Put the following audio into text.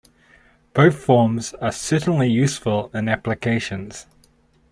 Both forms are certainly useful in applications.